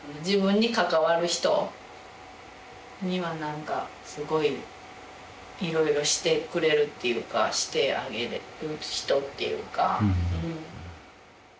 自分に関わる人にはなんかすごくいろいろしてくれるっていうかしてあげられる人っていうか。